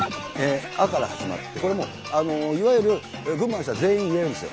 「あ」から始まってこれいわゆる群馬の人は全員言えるんですよ。